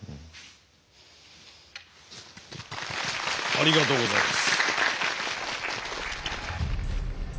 ありがとうございます。